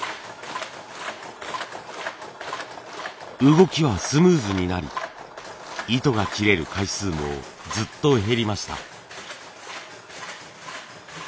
動きはスムーズになり糸が切れる回数もずっと減りました。